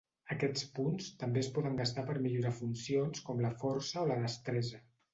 Aquests punts també es poden gastar per millorar funcions com la força o la destresa.